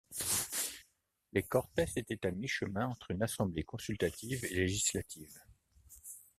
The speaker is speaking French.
Les Cortes étaient à mi-chemin entre une assemblée consultative et législative.